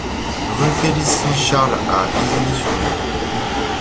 Rue Félicie Charles à Isigny-sur-Mer